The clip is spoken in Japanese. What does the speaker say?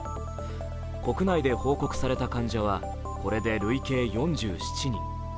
国内で報告された患者はこれで累計４７人。